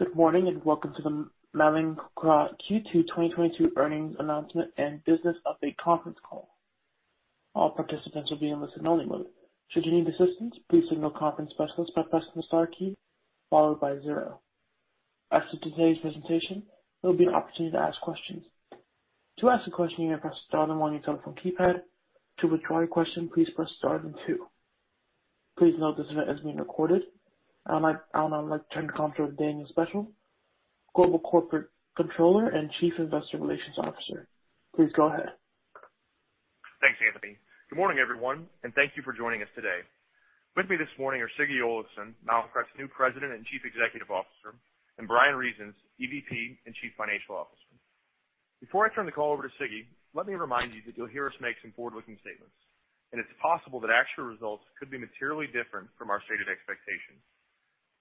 Good morning, and welcome to the Mallinckrodt Q2 2022 earnings announcement and business update conference call. All participants will be in listen-only mode. Should you need assistance, please signal conference specialist by pressing the star key followed by zero. After today's presentation, there'll be an opportunity to ask questions. To ask a question, you may press star then one on your telephone keypad. To withdraw your question, please press star then two. Please note this event is being recorded. I would now like to turn the call over to Daniel J. Speciale, Global Corporate Controller and Chief Investor Relations Officer. Please go ahead. Thanks, Anthony. Good morning, everyone, and thank you for joining us today. With me this morning are Siggi Olafsson, Mallinckrodt's new President and Chief Executive Officer, and Bryan Reasons, EVP and Chief Financial Officer. Before I turn the call over to Siggi, let me remind you that you'll hear us make some forward-looking statements, and it's possible that actual results could be materially different from our stated expectations.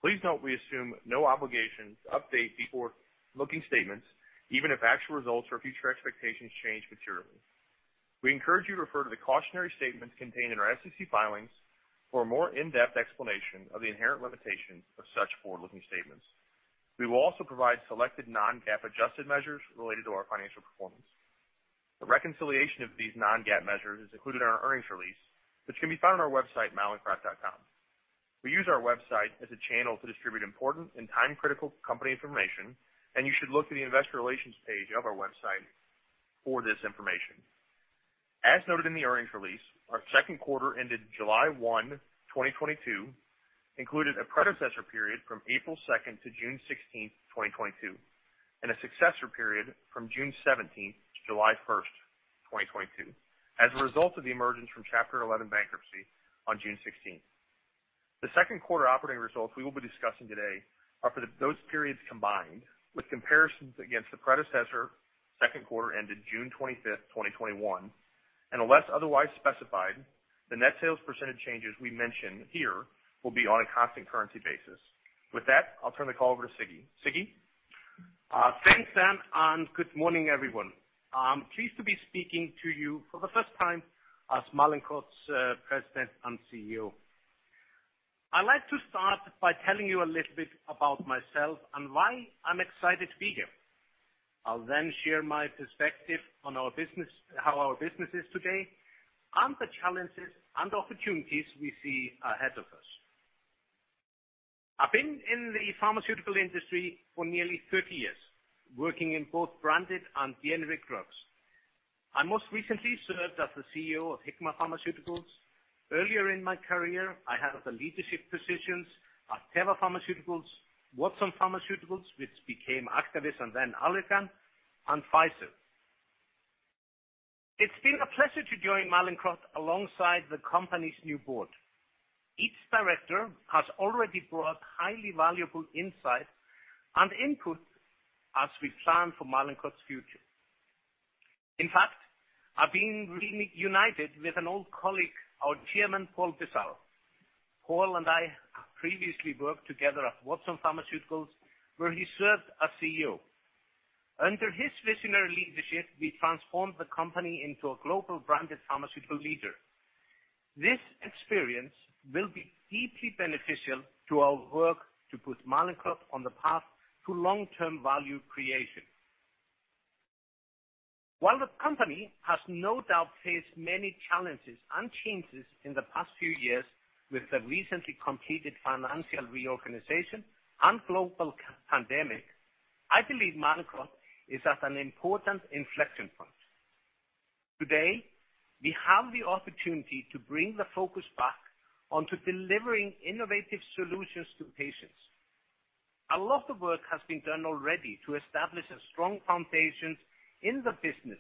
Please note we assume no obligation to update the forward-looking statements, even if actual results or future expectations change materially. We encourage you to refer to the cautionary statements contained in our SEC filings for a more in-depth explanation of the inherent limitations of such forward-looking statements. We will also provide selected non-GAAP adjusted measures related to our financial performance. The reconciliation of these non-GAAP measures is included in our earnings release, which can be found on our website, mallinckrodt.com. We use our website as a channel to distribute important and time-critical company information, and you should look to the investor relations page of our website for this information. As noted in the earnings release, our second quarter ended July 1, 2022, included a predecessor period from April 2nd to June 16th, 2022, and a successor period from June 17th to July 1st, 2022, as a result of the emergence from Chapter 11 bankruptcy on June 16. The second quarter operating results we will be discussing today are for those periods combined with comparisons against the predecessor second quarter ended June 25, 2021. Unless otherwise specified, the net sales percentage changes we mention here will be on a constant currency basis. With that, I'll turn the call over to Siggi. Siggi? Thanks, Dan, and good morning, everyone. I'm pleased to be speaking to you for the first time as Mallinckrodt's president and CEO. I'd like to start by telling you a little bit about myself and why I'm excited to be here. I'll then share my perspective on our business, how our business is today, and the challenges and opportunities we see ahead of us. I've been in the pharmaceutical industry for nearly 30 years, working in both branded and generic drugs. I most recently served as the CEO of Hikma Pharmaceuticals. Earlier in my career, I held the leadership positions at Teva Pharmaceuticals, Watson Pharmaceuticals, which became Actavis and then Allergan, and Pfizer. It's been a pleasure to join Mallinckrodt alongside the company's new board. Each director has already brought highly valuable insights and input as we plan for Mallinckrodt's future. In fact, I've been reunited with an old colleague, our chairman, Paul Bisaro. Paul and I previously worked together at Watson Pharmaceuticals, where he served as CEO. Under his visionary leadership, we transformed the company into a global branded pharmaceutical leader. This experience will be deeply beneficial to our work to put Mallinckrodt on the path to long-term value creation. While the company has no doubt faced many challenges and changes in the past few years with the recently completed financial reorganization and global pandemic, I believe Mallinckrodt is at an important inflection point. Today, we have the opportunity to bring the focus back onto delivering innovative solutions to patients. A lot of work has been done already to establish a strong foundation in the business,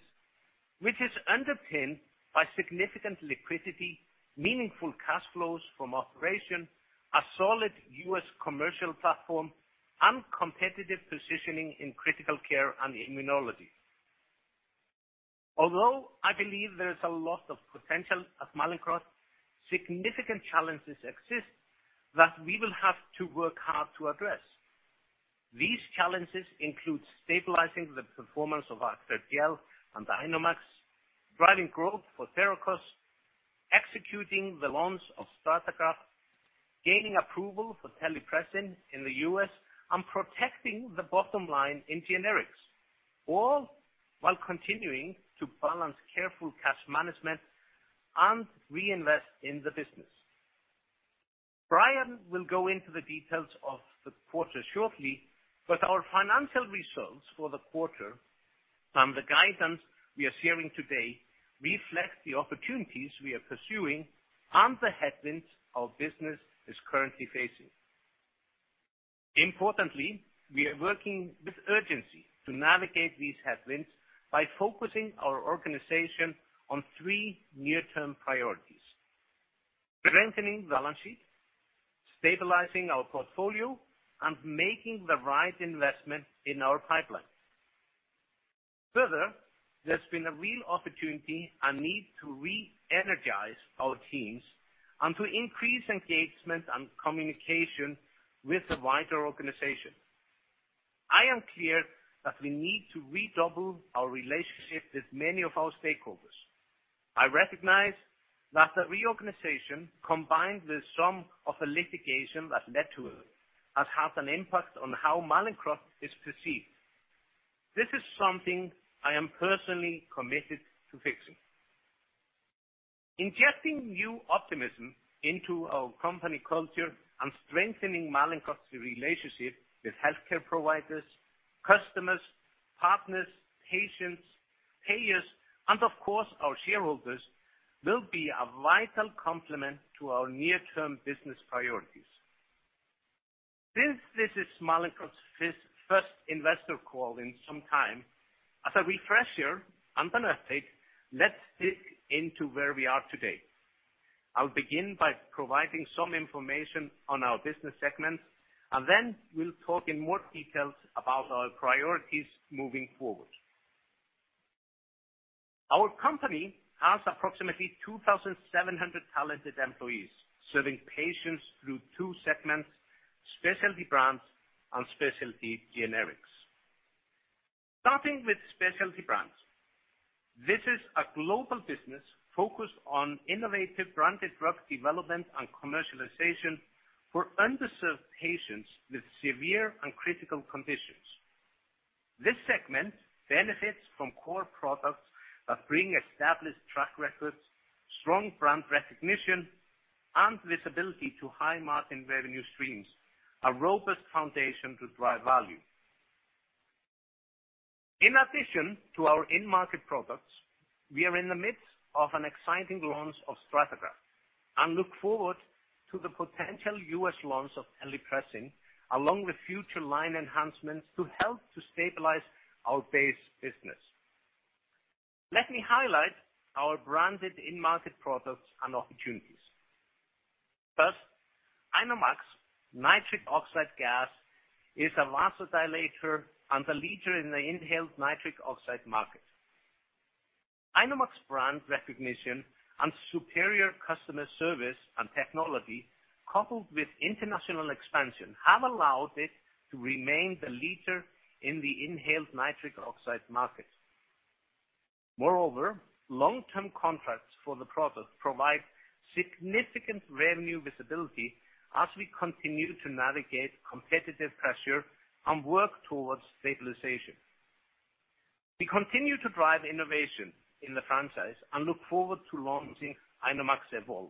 which is underpinned by significant liquidity, meaningful cash flows from operations, a solid U.S. commercial platform, and competitive positioning in critical care and immunology. Although I believe there is a lot of potential at Mallinckrodt, significant challenges exist that we will have to work hard to address. These challenges include stabilizing the performance of Acthar and INOmax, driving growth for Therakos, executing the launch of StrataGraft, gaining approval for Terlivaz in the U.S., and protecting the bottom line in generics, all while continuing to balance careful cash management and reinvest in the business. Bryan will go into the details of the quarter shortly, but our financial results for the quarter and the guidance we are sharing today reflect the opportunities we are pursuing and the headwinds our business is currently facing. Importantly, we are working with urgency to navigate these headwinds by focusing our organization on three near-term priorities, strengthening the balance sheet, stabilizing our portfolio, and making the right investment in our pipeline. Further, there's been a real opportunity and need to re-energize our teams and to increase engagement and communication with the wider organization. I am clear that we need to redouble our relationship with many of our stakeholders. I recognize that the reorganization, combined with some of the litigation that led to it, has had an impact on how Mallinckrodt is perceived. This is something I am personally committed to fixing. Ingesting new optimism into our company culture and strengthening Mallinckrodt's relationship with healthcare providers, customers, partners, patients, payers, and of course, our shareholders, will be a vital complement to our near-term business priorities. Since this is Mallinckrodt's first investor call in some time, as a refresher, and an update, let's dig into where we are today. I'll begin by providing some information on our business segments, and then we'll talk in more details about our priorities moving forward. Our company has approximately 2,700 talented employees serving patients through two segments, specialty brands and specialty generics. Starting with specialty brands, this is a global business focused on innovative branded drug development and commercialization for underserved patients with severe and critical conditions. This segment benefits from core products that bring established track records, strong brand recognition, and visibility to high-margin revenue streams, a robust foundation to drive value. In addition to our end-market products, we are in the midst of an exciting launch of StrataGraft, and look forward to the potential U.S. launch of Terlivaz along with future line enhancements to help to stabilize our base business. Let me highlight our branded end-market products and opportunities. First, INOmax nitric oxide gas is a vasodilator and the leader in the inhaled nitric oxide market. INOmax brand recognition and superior customer service and technology, coupled with international expansion, have allowed it to remain the leader in the inhaled nitric oxide market. Moreover, long-term contracts for the product provide significant revenue visibility as we continue to navigate competitive pressure and work towards stabilization. We continue to drive innovation in the franchise and look forward to launching INOmax Evolve,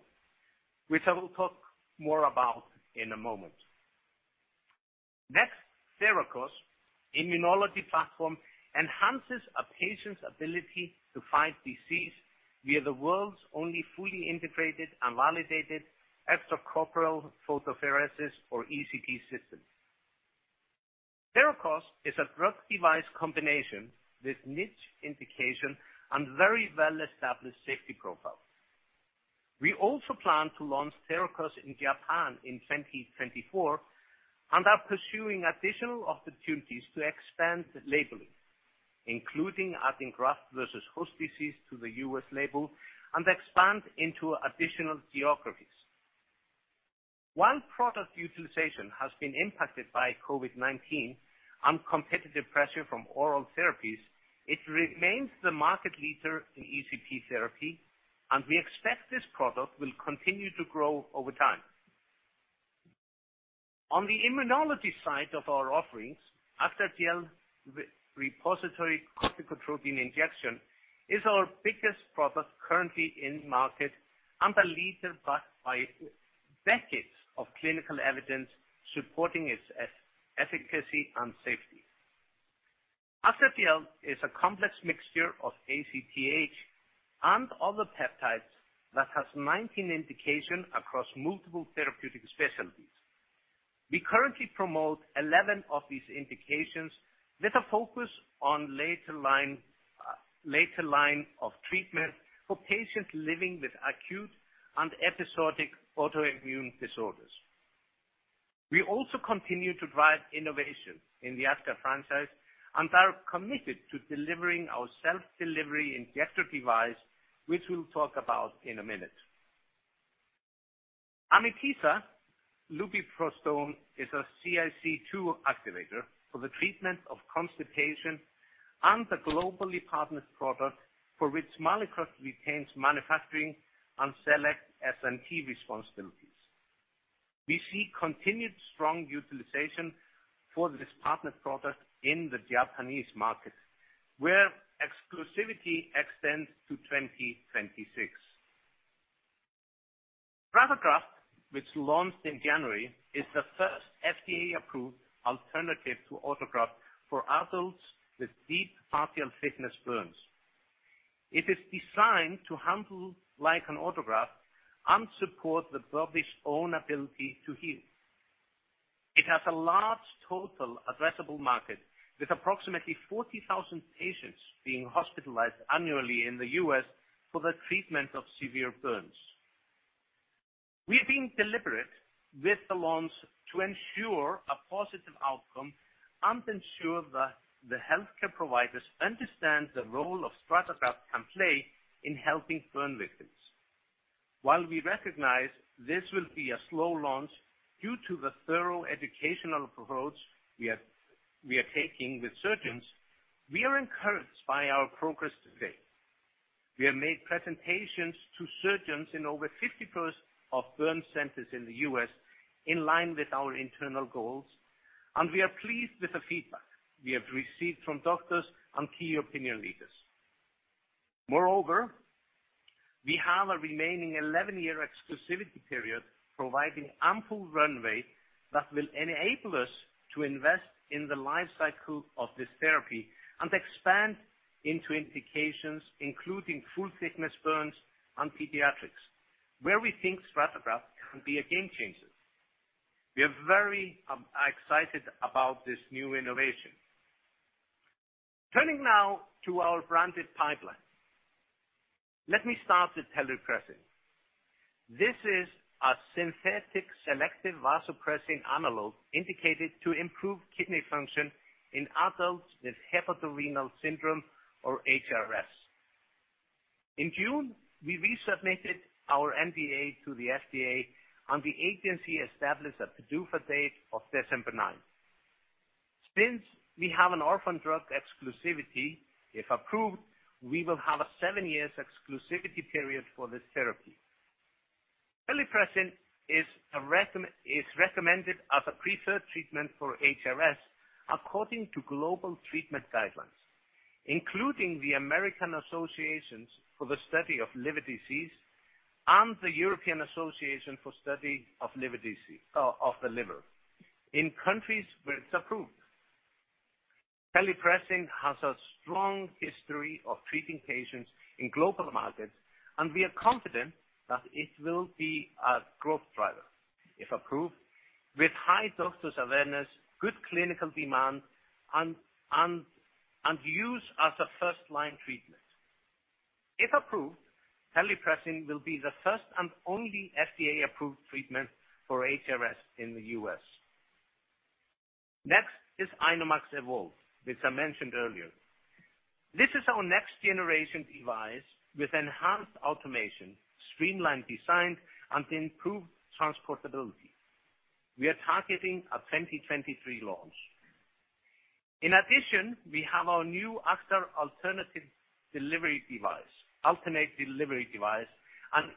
which I will talk more about in a moment. Next, Therakos Immunology Platform enhances a patient's ability to fight disease via the world's only fully integrated and validated extracorporeal photopheresis or ECP system. Therakos is a drug device combination with niche indication and very well-established safety profile. We also plan to launch Therakos in Japan in 2024 and are pursuing additional opportunities to expand labeling, including adding graft versus host disease to the U.S. label and expand into additional geographies. While product utilization has been impacted by COVID-19 and competitive pressure from oral therapies, it remains the market leader in ECP therapy, and we expect this product will continue to grow over time. On the immunology side of our offerings, Acthar Gel with repository corticotropin injection is our biggest product currently in market and the leader backed by decades of clinical evidence supporting its efficacy and safety. Acthar Gel is a complex mixture of ACTH and other peptides that has 19 indications across multiple therapeutic specialties. We currently promote 11 of these indications with a focus on later line of treatment for patients living with acute and episodic autoimmune disorders. We also continue to drive innovation in the Acthar franchise and are committed to delivering our self-delivery injector device, which we'll talk about in a minute. Amitiza, Lubiprostone, is a ClC-2 activator for the treatment of constipation and the globally partnered product for which Mallinckrodt retains manufacturing and select MS&T responsibilities. We see continued strong utilization for this partnered product in the Japanese market, where exclusivity extends to 2026. StrataGraft, which launched in January, is the first FDA-approved alternative to autograft for adults with deep partial-thickness burns. It is designed to handle like an autograft and support the body's own ability to heal. It has a large total addressable market, with approximately 40,000 patients being hospitalized annually in the U.S. for the treatment of severe burns. We are being deliberate with the launch to ensure a positive outcome and ensure that the healthcare providers understand the role of StrataGraft can play in helping burn victims. While we recognize this will be a slow launch due to the thorough educational approach we are taking with surgeons, we are encouraged by our progress to date. We have made presentations to surgeons in over 50% of burn centers in the U.S. in line with our internal goals, and we are pleased with the feedback we have received from doctors and key opinion leaders. Moreover, we have a remaining 11-year exclusivity period, providing ample runway that will enable us to invest in the life cycle of this therapy and expand into indications including full thickness burns and pediatrics, where we think StrataGraft can be a game changer. We are very excited about this new innovation. Turning now to our branded pipeline. Let me start with Terlivaz. This is a synthetic selective vasopressin analog indicated to improve kidney function in adults with hepatorenal syndrome or HRS. In June, we resubmitted our NDA to the FDA, and the agency established a PDUFA date of December 9th. Since we have an orphan drug exclusivity, if approved, we will have a seven year exclusivity period for this therapy. Terlivaz is recommended as a preferred treatment for HRS according to global treatment guidelines, including the American Association for the Study of Liver Diseases and the European Association for the Study of the Liver in countries where it's approved. Terlivaz has a strong history of treating patients in global markets, and we are confident that it will be a growth driver, if approved, with high doctors awareness, good clinical demand and use as a first-line treatment. If approved, Terlivaz will be the first and only FDA-approved treatment for HRS in the U.S. Next is INOmax Evolve, which I mentioned earlier. This is our next generation device with enhanced automation, streamlined design, and improved transportability. We are targeting a 2023 launch. In addition, we have our new Acthar alternate delivery device, an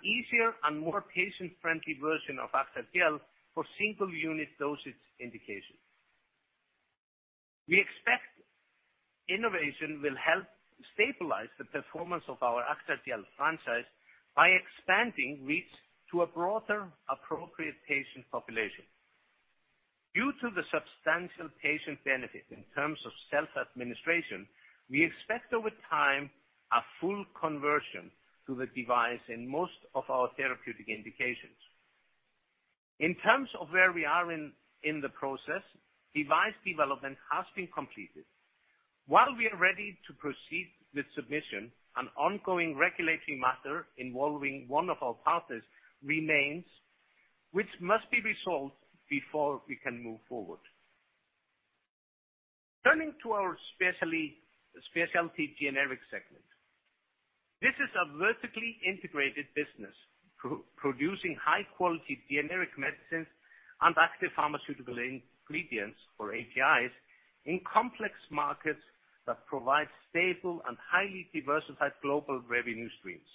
easier and more patient-friendly version of Acthar Gel for single unit dosage indication. We expect innovation will help stabilize the performance of our Acthar Gel franchise by expanding reach to a broader appropriate patient population. Due to the substantial patient benefit in terms of self-administration, we expect over time a full conversion to the device in most of our therapeutic indications. In terms of where we are in the process, device development has been completed. While we are ready to proceed with submission, an ongoing regulatory matter involving one of our partners remains, which must be resolved before we can move forward. Turning to our specialty generic segment. This is a vertically integrated business producing high quality generic medicines and active pharmaceutical ingredients or APIs in complex markets that provide stable and highly diversified global revenue streams.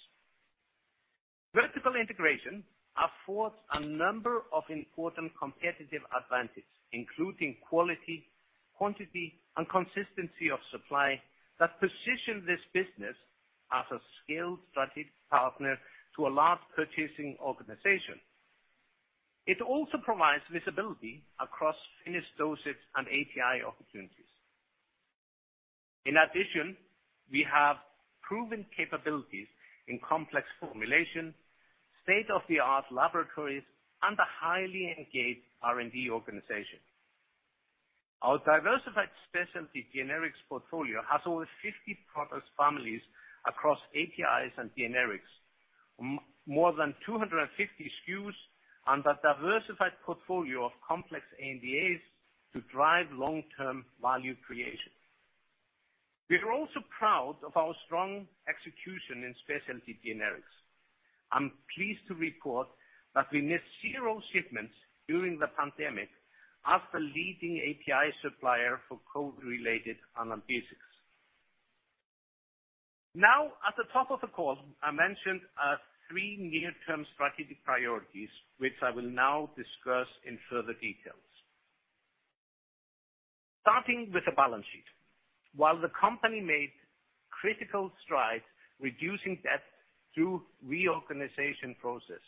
Vertical integration affords a number of important competitive advantages, including quality, quantity, and consistency of supply that position this business as a skilled strategic partner to a large purchasing organization. It also provides visibility across finished dosage and API opportunities. In addition, we have proven capabilities in complex formulation, state-of-the-art laboratories, and a highly engaged R&D organization. Our diversified specialty generics portfolio has over 50 product families across APIs and generics, more than 250 SKUs and a diversified portfolio of complex ANDAs to drive long-term value creation. We are also proud of our strong execution in specialty generics. I'm pleased to report that we missed 0 shipments during the pandemic as the leading API supplier for COVID-related analgesics. Now, at the top of the call, I mentioned our three near-term strategic priorities, which I will now discuss in further details. Starting with the balance sheet. While the company made critical strides reducing debt through reorganization process,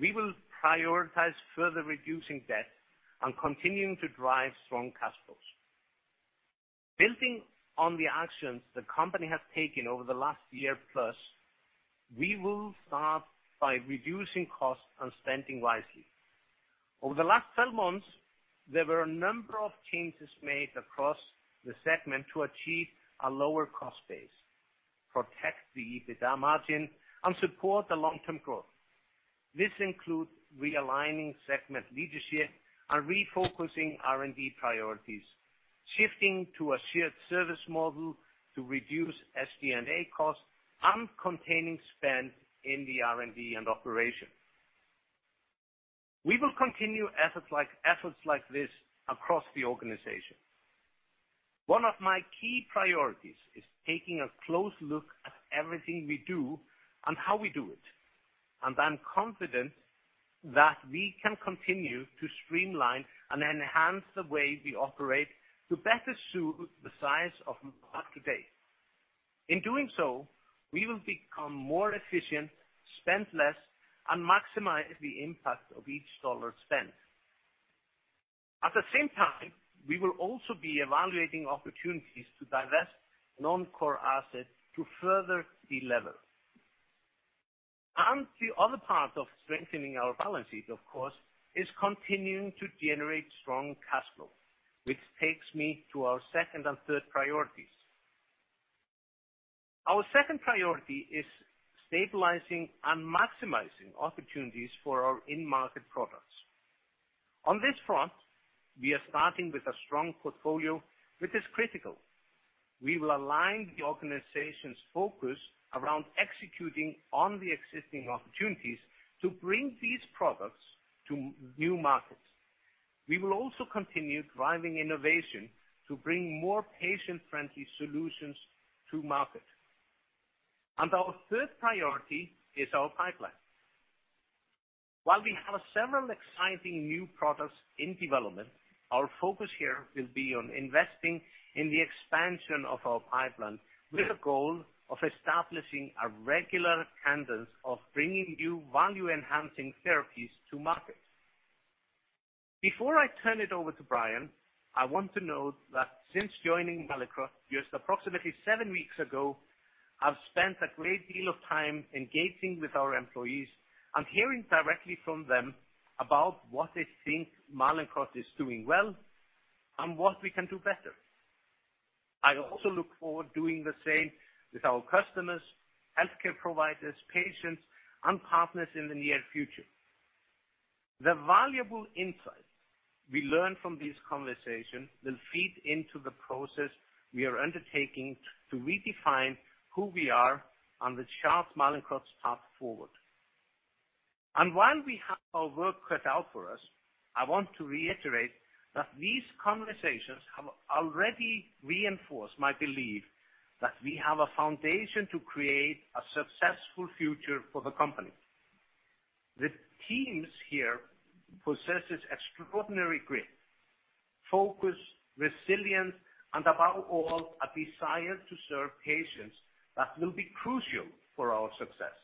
we will prioritize further reducing debt and continuing to drive strong cash flows. Building on the actions the company has taken over the last year plus, we will start by reducing costs and spending wisely. Over the last 12 months, there were a number of changes made across the segment to achieve a lower cost base, protect the EBITDA margin, and support the long-term growth. This includes realigning segment leadership and refocusing R&D priorities. Shifting to a shared service model to reduce SG&A costs and containing spend in the R&D and operations. We will continue efforts like this across the organization. One of my key priorities is taking a close look at everything we do and how we do it, and I'm confident that we can continue to streamline and enhance the way we operate to better suit the size of Mallinckrodt today. In doing so, we will become more efficient, spend less, and maximize the impact of each dollar spent. At the same time, we will also be evaluating opportunities to divest non-core assets to further delever. The other part of strengthening our balance sheet, of course, is continuing to generate strong cash flow, which takes me to our second and third priorities. Our second priority is stabilizing and maximizing opportunities for our in-market products. On this front, we are starting with a strong portfolio, which is critical. We will align the organization's focus around executing on the existing opportunities to bring these products to new markets. We will also continue driving innovation to bring more patient-friendly solutions to market. Our third priority is our pipeline. While we have several exciting new products in development, our focus here will be on investing in the expansion of our pipeline with the goal of establishing a regular cadence of bringing new value-enhancing therapies to market. Before I turn it over to Bryan, I want to note that since joining Mallinckrodt just approximately seven weeks ago, I've spent a great deal of time engaging with our employees and hearing directly from them about what they think Mallinckrodt is doing well and what we can do better. I also look forward doing the same with our customers, healthcare providers, patients, and partners in the near future. The valuable insights we learn from these conversations will feed into the process we are undertaking to redefine who we are charting Mallinckrodt's path forward. While we have our work cut out for us, I want to reiterate that these conversations have already reinforced my belief that we have a foundation to create a successful future for the company. The teams here possess extraordinary grit, focus, resilience, and above all, a desire to serve patients that will be crucial for our success.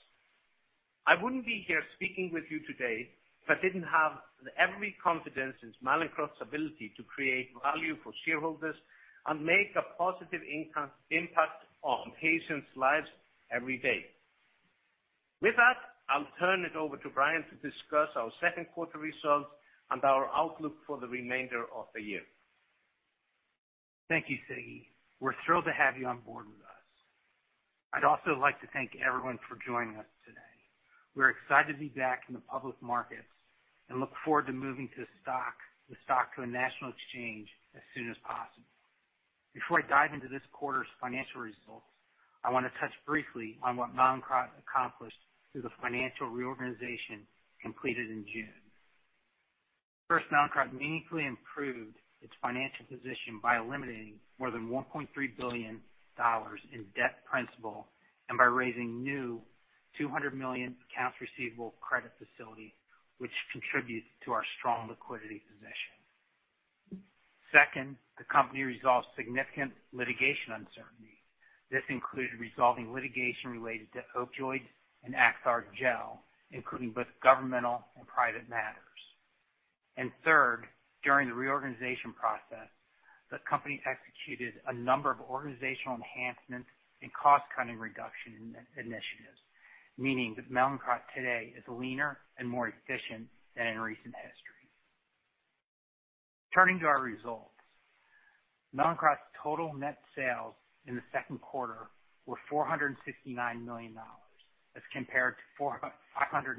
I wouldn't be here speaking with you today if I didn't have every confidence in Mallinckrodt's ability to create value for shareholders and make a positive impact on patients' lives every day. With that, I'll turn it over to Bryan to discuss our second quarter results and our outlook for the remainder of the year. Thank you, Siggi. We're thrilled to have you on board with us. I'd also like to thank everyone for joining us today. We're excited to be back in the public markets and look forward to moving the stock to a national exchange as soon as possible. Before I dive into this quarter's financial results, I wanna touch briefly on what Mallinckrodt accomplished through the financial reorganization completed in June. First, Mallinckrodt meaningfully improved its financial position by eliminating more than $1.3 billion in debt principal and by raising new $200 million accounts receivable credit facility, which contributes to our strong liquidity position. Second, the company resolved significant litigation uncertainty. This included resolving litigation related to opioids and Acthar Gel, including both governmental and private matters. Third, during the reorganization process, the company executed a number of organizational enhancements and cost-cutting reduction in initiatives, meaning that Mallinckrodt today is leaner and more efficient than in recent history. Turning to our results. Mallinckrodt's total net sales in the second quarter were $459 million as compared to $546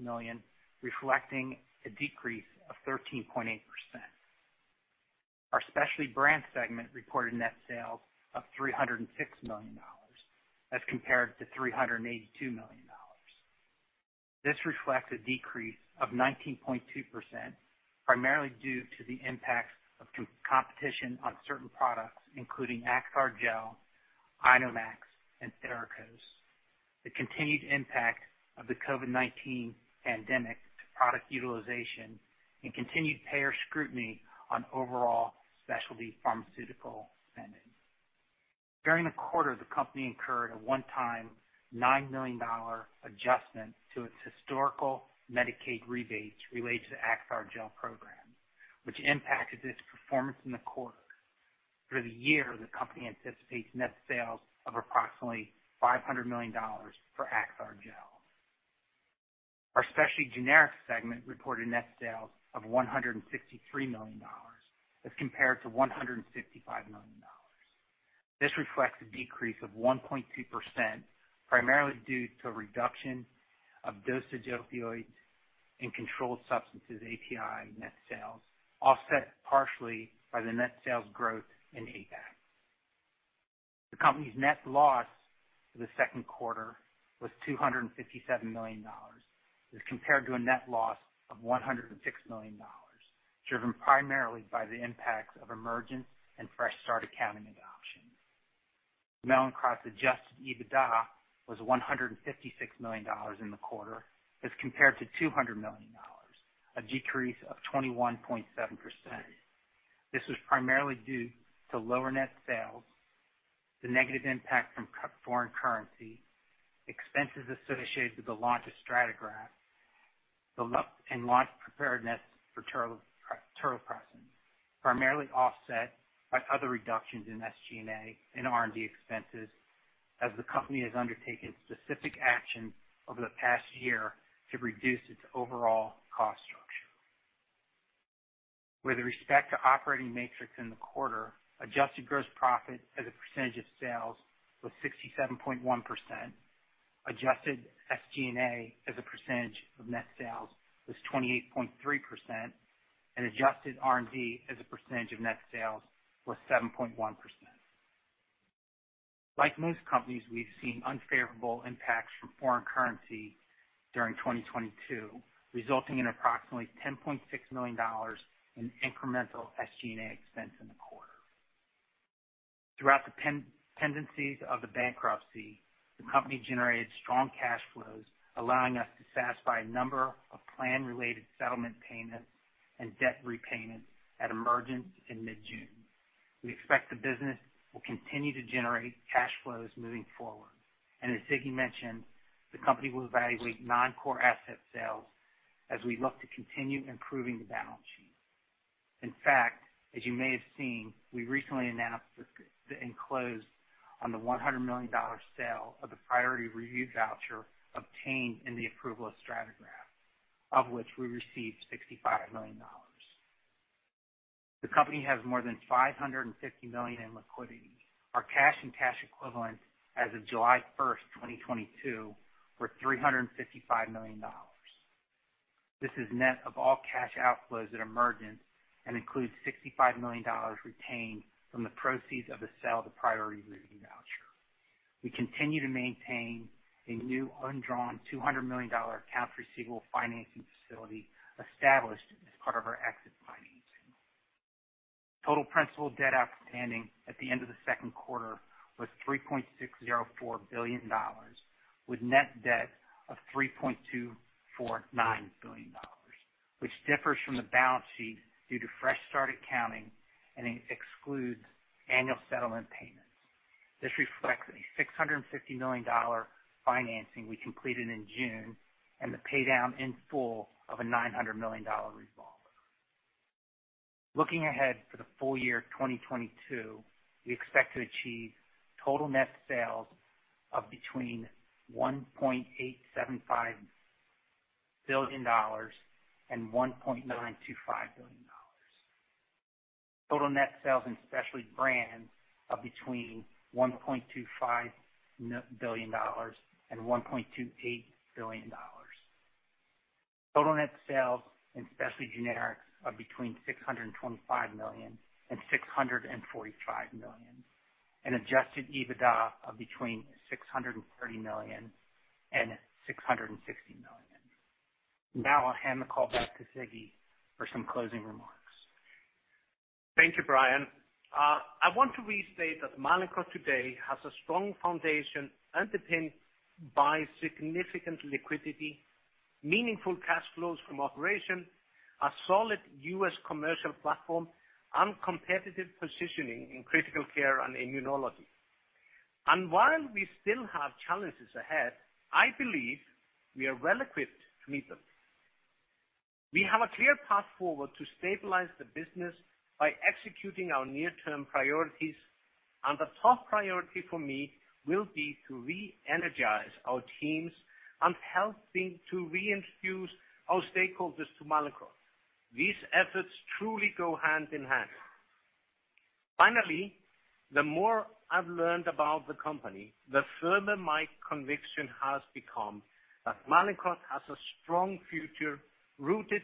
million, reflecting a decrease of 13.8%. Our specialty brand segment reported net sales of $306 million as compared to $382 million. This reflects a decrease of 19.2%, primarily due to the impacts of competition on certain products, including Acthar Gel, INOmax, and THERAKOS. The continued impact of the COVID-19 pandemic to product utilization and continued payer scrutiny on overall specialty pharmaceutical spending. During the quarter, the company incurred a one-time $9 million adjustment to its historical Medicaid rebates related to the Acthar Gel program, which impacted its performance in the quarter. For the year, the company anticipates net sales of approximately $500 million for Acthar Gel. Our specialty generics segment reported net sales of $163 million as compared to $155 million. This reflects a decrease of 1.2%, primarily due to a reduction of dosage opioids in controlled substances API net sales, offset partially by the net sales growth in APAC. The company's net loss for the second quarter was $257 million as compared to a net loss of $106 million, driven primarily by the impacts of emergence and fresh start accounting adoption. Mallinckrodt Adjusted EBITDA was $156 million in the quarter as compared to $200 million, a decrease of 21.7%. This was primarily due to lower net sales, the negative impact from foreign currency, expenses associated with the launch of StrataGraft, and launch preparedness for Terlivaz, primarily offset by other reductions in SG&A and R&D expenses as the company has undertaken specific action over the past year to reduce its overall cost structure. With respect to operating metrics in the quarter, adjusted gross profit as a percentage of sales was 67.1%. Adjusted SG&A as a percentage of net sales was 28.3%. Adjusted R&D as a percentage of net sales was 7.1%. Like most companies, we've seen unfavorable impacts from foreign currency during 2022, resulting in approximately $10.6 million in incremental SG&A expense in the quarter. Throughout the pendency of the bankruptcy, the company generated strong cash flows, allowing us to satisfy a number of plan-related settlement payments and debt repayments at emergence in mid-June. We expect the business will continue to generate cash flows moving forward. As Siggi mentioned, the company will evaluate non-core asset sales as we look to continue improving the balance sheet. In fact, as you may have seen, we recently announced the closing on the $100 million sale of the priority review voucher obtained in the approval of StrataGraft, of which we received $65 million. The company has more than $550 million in liquidity. Our cash and cash equivalents as of July 1st, 2022, were $355 million. This is net of all cash outflows at emergence and includes $65 million retained from the proceeds of the sale of the priority review voucher. We continue to maintain a new undrawn $200 million accounts receivable financing facility established as part of our exit financing. Total principal debt outstanding at the end of the second quarter was $3.604 billion, with net debt of $3.249 billion, which differs from the balance sheet due to fresh start accounting and excludes annual settlement payments. This reflects a $650 million financing we completed in June and the pay down in full of a $900 million revolver. Looking ahead for the full year 2022, we expect to achieve total net sales of between $1.875 billion and $1.925 billion. Total net sales in specialty brands are between $1.25 billion and $1.28 billion. Total net sales in specialty generics are between $625 million and $645 million, and Adjusted EBITDA of between $630 million and $660 million. Now I'll hand the call back to Siggi for some closing remarks. Thank you, Bryan. I want to restate that Mallinckrodt today has a strong foundation underpinned by significant liquidity, meaningful cash flows from operations, a solid U.S. commercial platform, and competitive positioning in critical care and immunology. While we still have challenges ahead, I believe we are well equipped to meet them. We have a clear path forward to stabilize the business by executing our near-term priorities, and the top priority for me will be to re-energize our teams and helping to reintroduce our stakeholders to Mallinckrodt. These efforts truly go hand in hand. Finally, the more I've learned about the company, the firmer my conviction has become that Mallinckrodt has a strong future rooted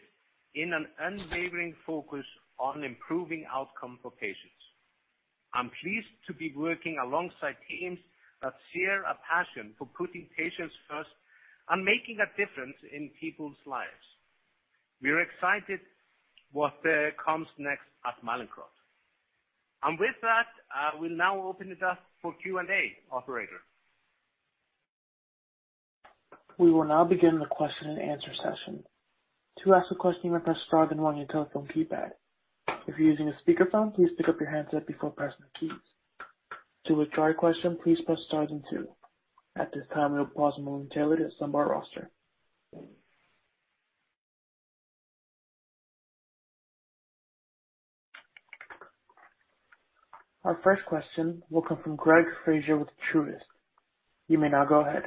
in an unwavering focus on improving outcomes for patients. I'm pleased to be working alongside teams that share a passion for putting patients first and making a difference in people's lives. We are excited about what comes next at Mallinckrodt. With that, I will now open the floor for Q&A. Operator? We will now begin the question-and-answer session. To ask a question, you may press star then one on your telephone keypad. If you're using a speakerphone, please pick up your handset before pressing the keys. To withdraw your question, please press star then two. At this time, we will pause momentarily to assemble our roster. Our first question will come from Gregg Fraser with Truist. You may now go ahead.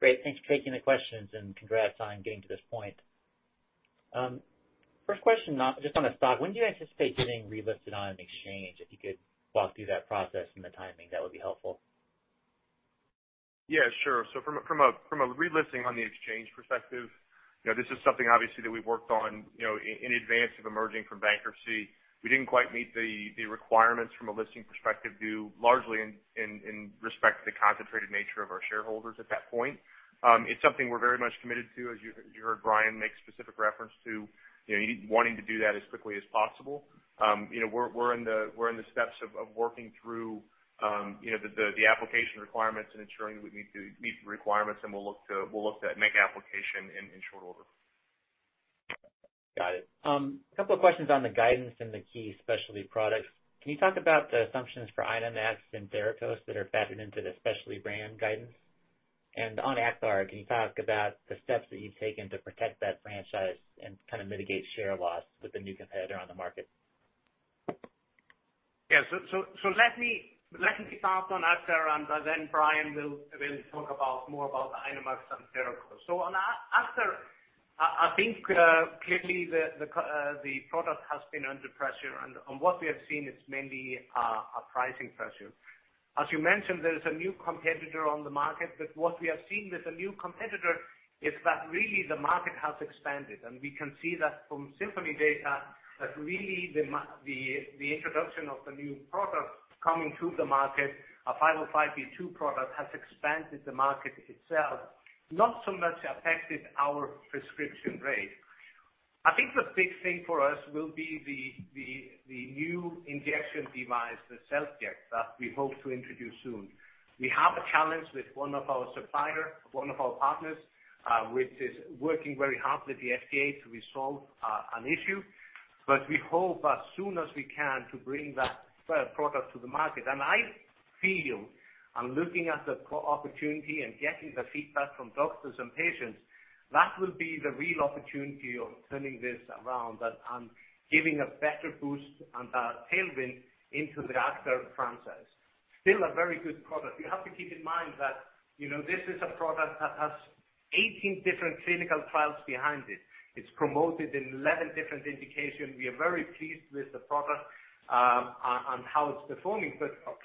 Great. Thanks for taking the questions and congrats on getting to this point. First question now just on the stock. When do you anticipate getting relisted on an exchange? If you could walk through that process and the timing, that would be helpful. Yeah, sure. From a relisting on the exchange perspective, you know, this is something obviously that we worked on, you know, in advance of emerging from bankruptcy. We didn't quite meet the requirements from a listing perspective due largely in respect to the concentrated nature of our shareholders at that point. It's something we're very much committed to, as you heard Bryan make specific reference to, you know, wanting to do that as quickly as possible. You know, we're in the steps of working through the application requirements and ensuring that we meet the requirements, and we'll look to make application in short order. Got it. A couple of questions on the guidance and the key specialty products. Can you talk about the assumptions for INOmax and Therakos that are factored into the specialty brand guidance? On Acthar, can you talk about the steps that you've taken to protect that franchise and kind of mitigate share loss with the new competitor on the market? Let me start on Acthar and then Bryan will talk more about the INOmax and Therakos. On Acthar, I think clearly the product has been under pressure and on what we have seen it's mainly a pricing pressure. As you mentioned, there is a new competitor on the market, but what we have seen with the new competitor is that really the market has expanded. We can see that from Symphony data that really the introduction of the new product coming to the market, a 505B2 product, has expanded the market itself, not so much affected our prescription rate. I think the big thing for us will be the new injection device, the self-inject that we hope to introduce soon. We have a challenge with one of our suppliers, one of our partners, which is working very hard with the FDA to resolve an issue. We hope as soon as we can to bring that product to the market. I feel, and looking at the opportunity and getting the feedback from doctors and patients, that will be the real opportunity of turning this around, that I'm giving a better boost and a tailwind into the Acthar franchise. Still a very good product. You have to keep in mind that, you know, this is a product that has 18 different clinical trials behind it. It's promoted in 11 different indications. We are very pleased with the product, on how it's performing.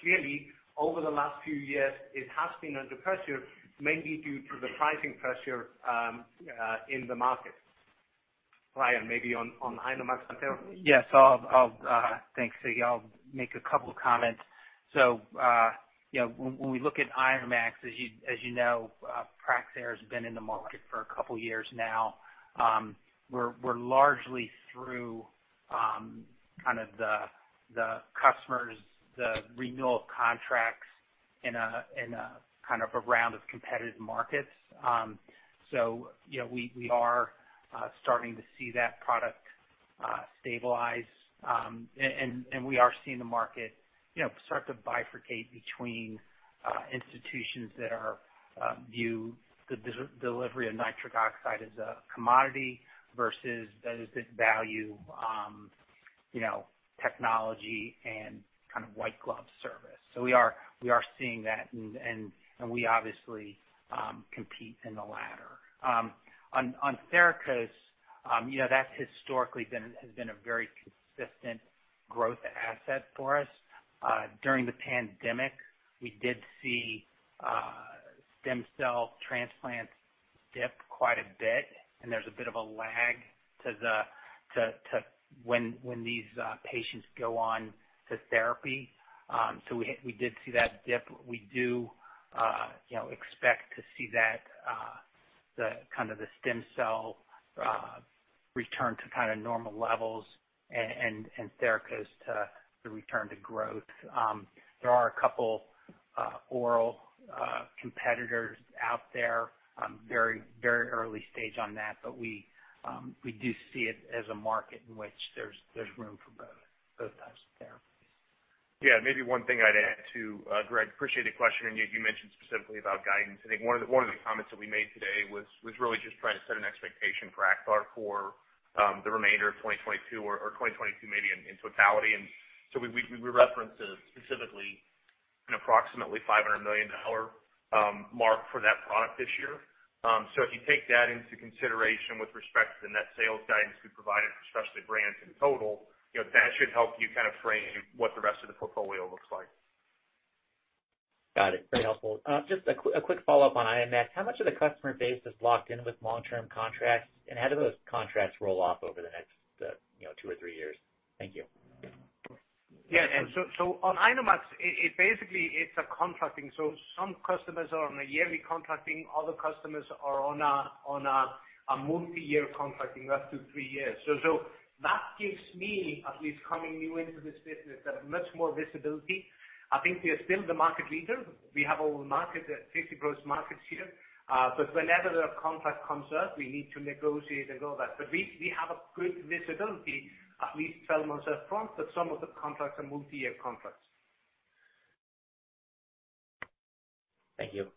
Clearly, over the last few years, it has been under pressure, mainly due to the pricing pressure in the market. Bryan, maybe on INOmax and Therakos. Yes. Thanks, so yeah, I'll make a couple of comments. You know, when we look at INOmax, as you know, Praxair's been in the market for a couple of years now. We're largely through kind of the renewal of customer contracts in a kind of round of competitive markets. You know, we are starting to see that product stabilize. We are seeing the market, you know, start to bifurcate between institutions that view the delivery of nitric oxide as a commodity versus those that value, you know, technology and kind of white glove service. We are seeing that and we obviously compete in the latter. On Therakos, you know, that's historically been a very consistent growth asset for us. During the pandemic, we did see stem cell transplants dip quite a bit, and there's a bit of a lag to when these patients go on to therapy. So we did see that dip. We do, you know, expect to see that the kind of the stem cell return to kinda normal levels and Therakos to return to growth. There are a couple oral competitors out there, very, very early stage on that, but we do see it as a market in which there's room for both types of therapies. Yeah, maybe one thing I'd add to Gregg. Appreciate the question, and you mentioned specifically about guidance. I think one of the comments that we made today was really just trying to set an expectation for Acthar for the remainder of 2022 or 2022 maybe in totality. We referenced it specifically an approximately $500 million mark for that product this year. If you take that into consideration with respect to the net sales guidance we provided for specialty brands in total, you know, that should help you kind of frame what the rest of the portfolio looks like. Got it. Very helpful. Just a quick follow-up on INOmax. How much of the customer base is locked in with long-term contracts, and how do those contracts roll off over the next, you know, two or three years? Thank you. Yeah. On INOmax, it basically is a contracting. Some customers are on a yearly contracting, other customers are on a multiyear contracting, up to three years. That gives me, at least coming new into this business, that much more visibility. I think we are still the market leader. We have all the market, 50 gross markets here. Whenever a contract comes up, we need to negotiate and go that. We have a good visibility, at least 12 months up front, that some of the contracts are multi-year contracts. Thank you.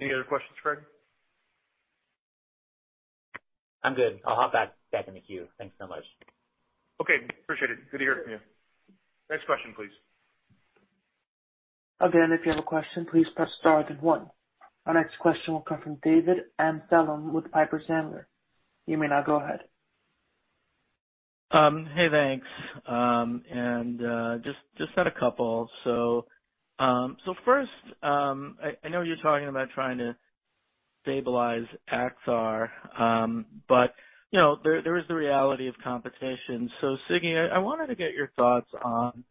Any other questions, Greg? I'm good. I'll hop back in the queue. Thanks so much. Okay, appreciate it. Good to hear from you. Next question, please. Again, if you have a question, please press star then one. Our next question will come from David Amsellem with Piper Sandler. You may now go ahead. Hey, thanks. Just had a couple. First, I know you're talking about trying to stabilize Acthar, but you know, there is the reality of competition. Siggi, I wanted to get your thoughts on,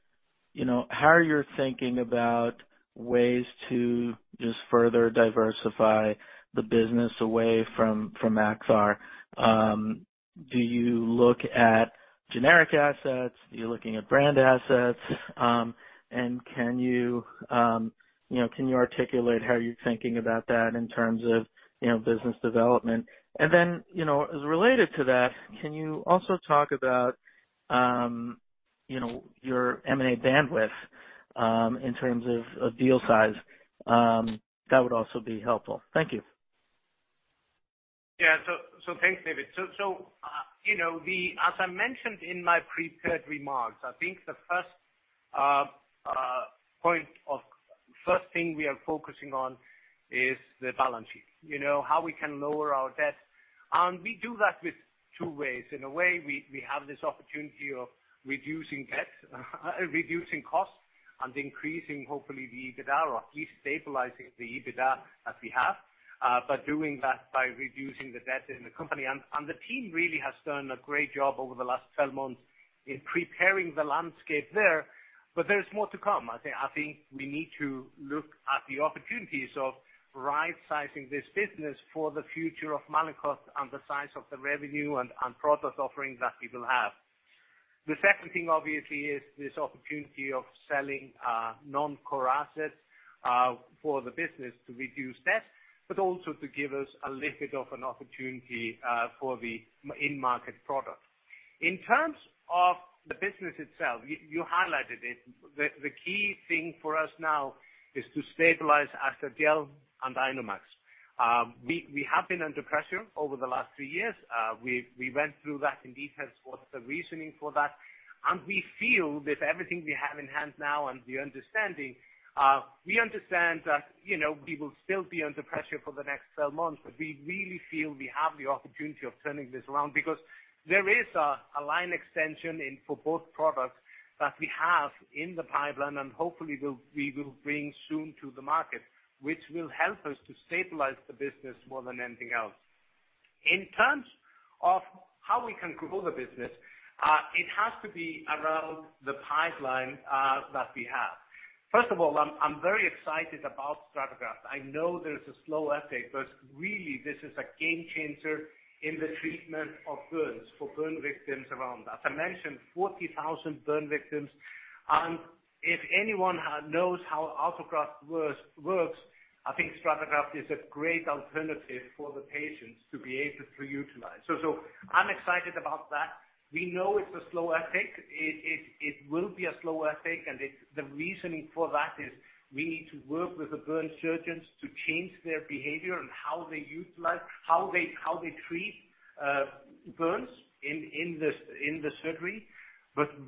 you know, how you're thinking about ways to just further diversify the business away from Acthar. Do you look at generic assets? Are you looking at brand assets? Can you articulate how you're thinking about that in terms of, you know, business development? As related to that, can you also talk about, you know, your M&A bandwidth in terms of deal size? That would also be helpful. Thank you. Yeah. Thanks, David. You know, as I mentioned in my prepared remarks, I think the first thing we are focusing on is the balance sheet, you know, how we can lower our debt. We do that with two ways. In a way, we have this opportunity of reducing debt, reducing costs and increasing, hopefully the EBITDA or at least stabilizing the EBITDA that we have. Doing that by reducing the debt in the company. The team really has done a great job over the last 12 months in preparing the landscape there. There is more to come. I think we need to look at the opportunities of rightsizing this business for the future of Mallinckrodt and the size of the revenue and product offerings that we will have. The second thing, obviously, is this opportunity of selling non-core assets for the business to reduce debt, but also to give us a little bit of an opportunity for the in-market product. In terms of the business itself, you highlighted it. The key thing for us now is to stabilize Axetil and INOmax. We have been under pressure over the last three years. We went through that in detail for the reasoning for that, and we feel with everything we have in hand now and the understanding, we understand that, you know, we will still be under pressure for the next 12 months, but we really feel we have the opportunity of turning this around because there is a line extension in for both products that we have in the pipeline and hopefully we will bring soon to the market, which will help us to stabilize the business more than anything else. In terms of how we can grow the business, it has to be around the pipeline that we have. First of all, I'm very excited about StrataGraft. I know there's a slow uptake, but really this is a game changer in the treatment of burns for burn victims around. As I mentioned, 40,000 burn victims. If anyone knows how autograft works, I think StrataGraft is a great alternative for the patients to be able to utilize. I'm excited about that. We know it's a slow uptake. It will be a slow uptake, and the reasoning for that is we need to work with the burn surgeons to change their behavior and how they utilize, how they treat burns in the surgery.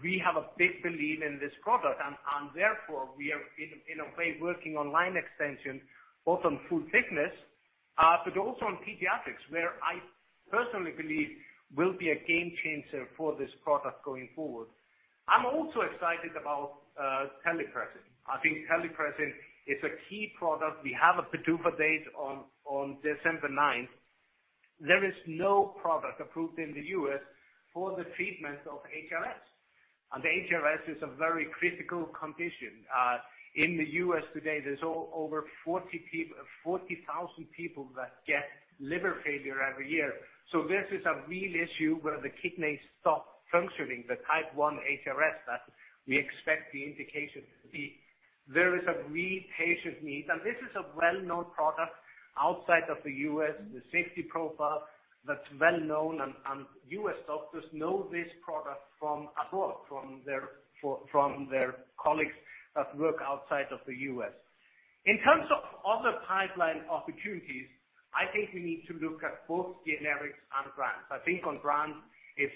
We have a big belief in this product and therefore we are in a way working on line extension, both on full thickness, but also on pediatrics, where I personally believe will be a game changer for this product going forward. I'm also excited about Terlivaz. I think Terlivaz is a key product. We have a PDUFA date on December 9th. There is no product approved in the U.S. for the treatment of HRS. The HRS is a very critical condition. In the U.S. today, there's over 40,000 people that get liver failure every year. This is a real issue where the kidneys stop functioning, the type 1 HRS that we expect the indication to be. There is a real patient need, and this is a well-known product outside of the U.S., the safety profile that's well known and U.S. doctors know this product from abroad, from their colleagues that work outside of the U.S. In terms of other pipeline opportunities, I think we need to look at both generics and brands. I think on brands is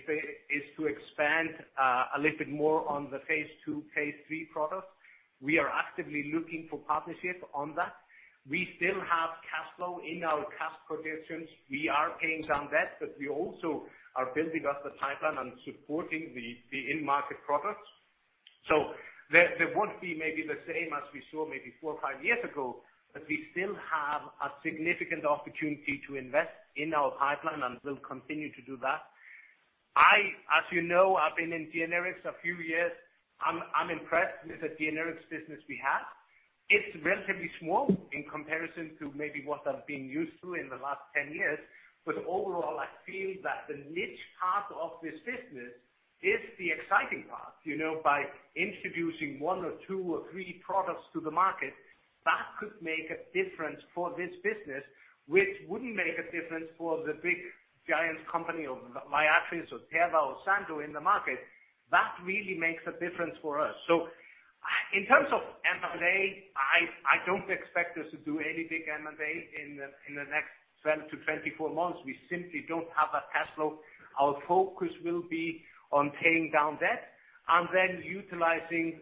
to expand a little bit more on the phase II, phase III products. We are actively looking for partnerships on that. We still have cash flow in our cash positions. We are paying down debt, but we also are building up the pipeline and supporting the in-market products. There won't be maybe the same as we saw maybe four or five years ago, but we still have a significant opportunity to invest in our pipeline, and we'll continue to do that. As you know, I've been in generics a few years. I'm impressed with the generics business we have. It's relatively small in comparison to maybe what I've been used to in the last 10 years. Overall, I feel that the niche part of this business is the exciting part. You know, by introducing one or two or three products to the market, that could make a difference for this business, which wouldn't make a difference for the big giant company of Mylan or Teva or Sandoz in the market. That really makes a difference for us. In terms of M&A, I don't expect us to do any big M&A in the next 12 to 24 months. We simply don't have the cash flow. Our focus will be on paying down debt and then utilizing,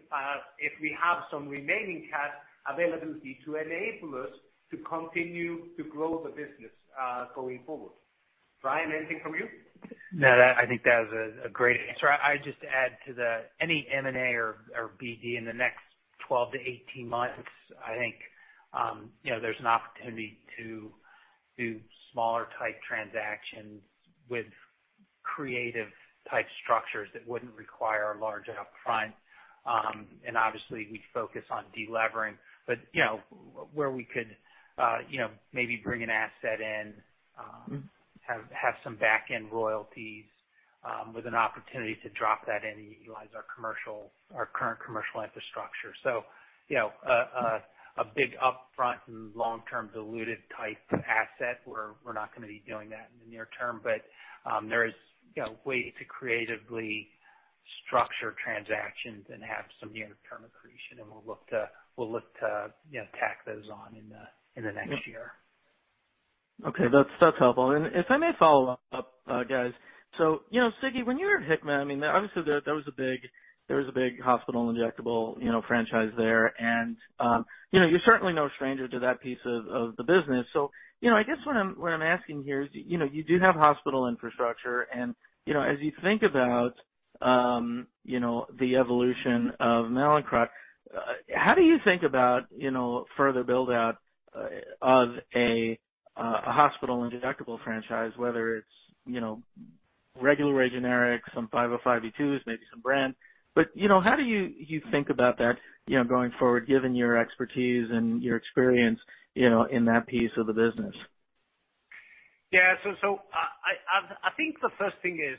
if we have some remaining cash availability to enable us to continue to grow the business, going forward. Bryan, anything from you? No, that I think that was a great answer. I just add to any M&A or BD in the next 12-18 months, I think you know, there's an opportunity to do smaller type transactions with creative type structures that wouldn't require a large up front. And obviously, we'd focus on de-levering, but you know, where we could you know, maybe bring an asset in, have some back-end royalties with an opportunity to drop that in and utilize our commercial, our current commercial infrastructure. You know, a big upfront and long-term diluted type asset, we're not gonna be doing that in the near term. There is, you know, ways to creatively structure transactions and have some near-term accretion, and we'll look to, you know, tack those on in the next year. Okay, that's helpful. If I may follow up, guys. You know, Siggi, when you were at Hikma, I mean, obviously, there was a big hospital injectable franchise there. You know, you're certainly no stranger to that piece of the business. You know, I guess what I'm asking here is, you know, you do have hospital infrastructure and, you know, as you think about the evolution of Mallinckrodt, how do you think about further build out of a hospital injectable franchise, whether it's regular generics, some 505B2s, maybe some brand. You know, how do you think about that going forward, given your expertise and your experience in that piece of the business? I think the first thing is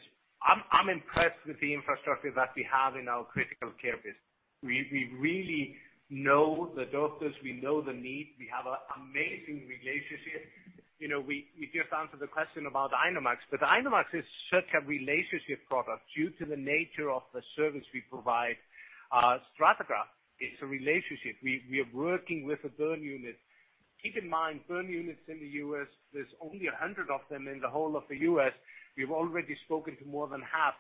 I'm impressed with the infrastructure that we have in our critical care business. We really know the doctors, we know the need. We have an amazing relationship. You know, we just answered the question about INOmax, but INOmax is such a relationship product due to the nature of the service we provide. StrataGraft is a relationship. We are working with a burn unit. Keep in mind, burn units in the U.S., there's only 100 of them in the whole of the U.S. We've already spoken to more than half.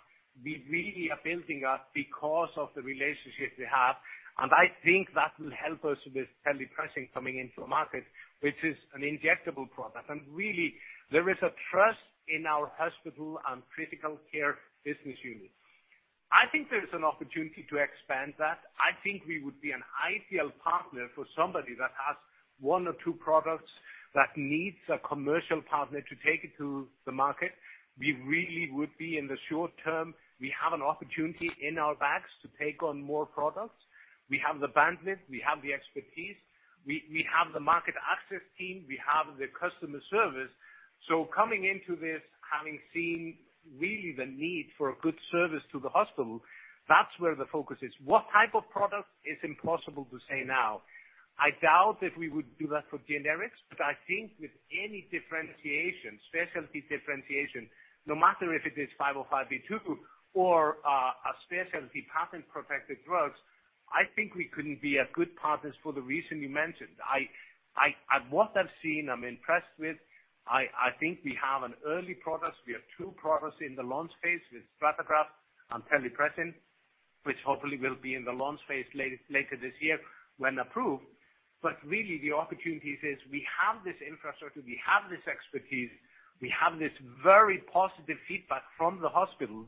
We really are building up because of the relationships we have, and I think that will help us with Terlivaz coming into a market, which is an injectable product. Really, there is a trust in our hospital and critical care business unit. I think there is an opportunity to expand that. I think we would be an ideal partner for somebody that has one or two products that needs a commercial partner to take it to the market. We really would be, in the short term, we have an opportunity in our bags to take on more products. We have the bandwidth, we have the expertise, we have the market access team, we have the customer service. Coming into this, having seen really the need for a good service to the hospital, that's where the focus is. What type of product is impossible to say now. I doubt if we would do that for generics, but I think with any differentiation, specialty differentiation, no matter if it is 505B2 or a specialty patent protected drug, I think we couldn't be a good partner for the reason you mentioned. What I've seen, I'm impressed with. I think we have an early product. We have two products in the launch phase with StrataGraft and Terlivaz, which hopefully will be in the launch phase later this year when approved. Really the opportunities are we have this infrastructure, we have this expertise, we have this very positive feedback from the hospitals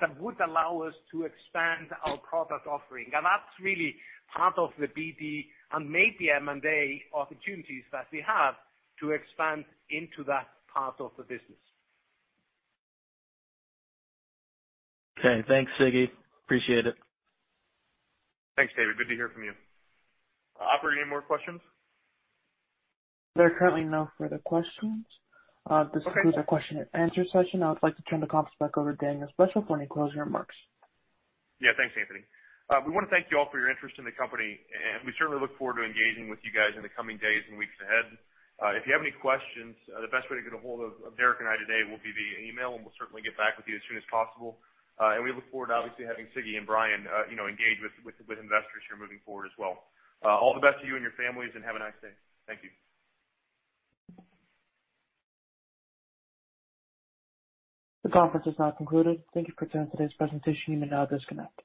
that would allow us to expand our product offering. That's really part of the BD and maybe M&A opportunities that we have to expand into that part of the business. Okay, thanks, Siggi. Appreciate it. Thanks, David. Good to hear from you. Operator, any more questions? There are currently no further questions. Okay. This concludes our question and answer session. I would like to turn the conference back over to Daniel Speciale for any closing remarks. Yeah. Thanks, Anthony. We wanna thank you all for your interest in the company, and we certainly look forward to engaging with you guys in the coming days and weeks ahead. If you have any questions, the best way to get a hold of Derek and I today will be via email, and we'll certainly get back with you as soon as possible. We look forward to obviously having Siggi and Bryan, you know, engage with investors here moving forward as well. All the best to you and your families and have a nice day. Thank you. The conference is now concluded. Thank you for attending today's presentation. You may now disconnect.